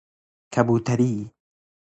کبوتری